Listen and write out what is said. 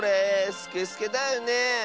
スケスケだよねえ。